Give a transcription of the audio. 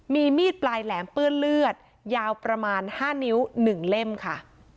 มีมีดปลายแหลมเปื้อนเลือดยาวประมาณ๕นิ้ว๑เล่มค่ะ